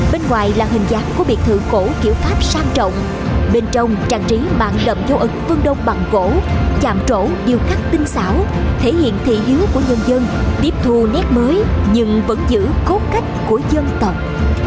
bên ngoài là hình dạng của biệt thượng cổ kiểu pháp sang trọng bên trong trang trí mạng đậm dâu ực vân đông bằng gỗ chạm trổ điều khắc tinh xảo thể hiện thị hứa của nhân dân tiếp thu nét mới nhưng vẫn giữ cốt cách của dân tộc